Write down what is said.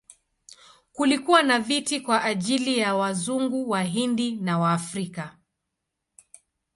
Kulikuwa na viti kwa ajili ya Wazungu, Wahindi na Waafrika.